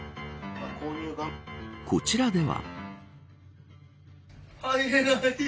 こちらでは。